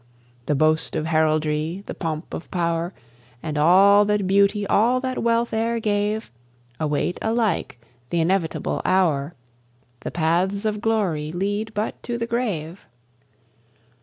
The boast of heraldry, the pomp of pow'r, And all that beauty, all that wealth e'er gave, Await alike th' inevitable hour. The paths of glory lead but to the grave.